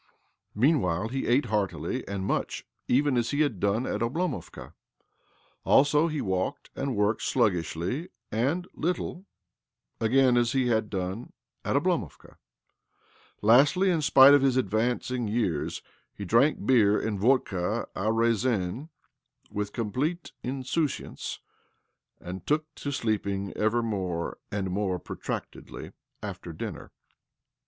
Meanwhile he ate heartily and much, even as he had done at Oblomovka. Also, he walked and worked sluggishly and little — again, as he had done at Oblomovka . Lastly, in spite of his advancing years, he drank beer and vodka a raisin with complete in souciance, and took to sleeping ever more and more protractedly after dinner.